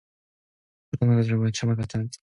그러나 그 말이 참말 같지는 않았다.